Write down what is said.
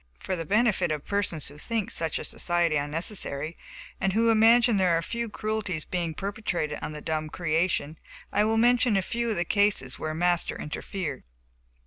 For the benefit of persons who think such a society unnecessary, and who imagine there are few cruelties being perpetrated on the dumb creation, I will mention a few of the cases where Master interfered.